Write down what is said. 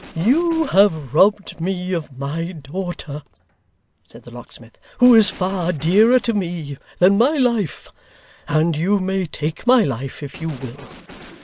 'You have robbed me of my daughter,' said the locksmith, 'who is far dearer to me than my life; and you may take my life, if you will.